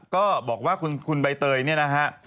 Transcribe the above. ก็บอกว่าคุณใบเตยเนี่ยนะฮะ